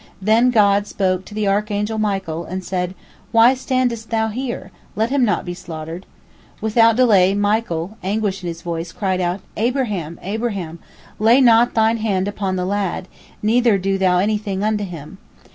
Then God spoke to the archangel Michael, and said: "Why standest thou here? Let him not be slaughtered." Without delay, Michael, anguish in his voice, cried out: "Abraham! Abraham! Lay not thine hand upon the lad, neither do thou any thing unto him!"